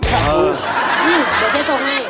เดี๋ยวเจ๊ส่งให้